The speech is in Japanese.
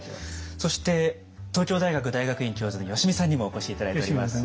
そして東京大学大学院教授の吉見さんにもお越し頂いております。